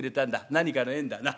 何かの縁だなっ。